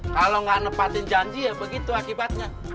kalau gak nempatin janji ya begitu akibatnya